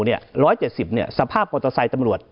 ๑๗๐กิโลเมตรสภาพมอเตอร์ไซค์ตำรวจ